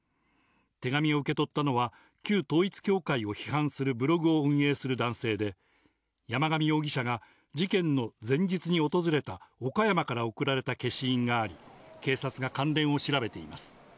手紙を受け取ったのは、旧統一教会を批判するブログを運営する男性で、山上容疑者が事件の前日に訪れた岡山から送られた消印があり、警察が関連を調べています。